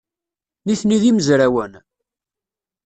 Nitni d imezrawen?